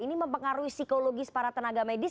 ini mempengaruhi psikologis para tenaga medis